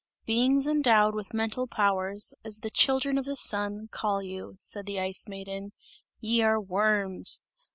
"Beings endowed with mental powers, as the children of the Sun, call you," said the Ice Maiden "ye are worms!